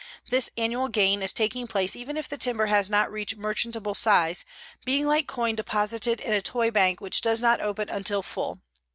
This annual gain is taking place even if the timber has not reached merchantable size, being like coin deposited in a toy bank which does not open until full.